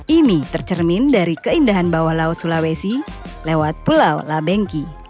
ini tercermin dari keindahan bawah laut sulawesi lewat pulau labengki